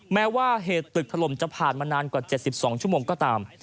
แม้ว่าเหตุตึกถล่มจะผ่านมานานกว่า๗๒ชั่วโมงก็ตาม